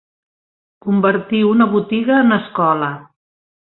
Convertir una botiga en escola.